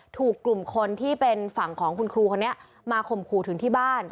ถูกกลุ่มคนที่เป็นฝั่งของคุณครูคนนี้มาข่มขู่ถึงที่บ้าน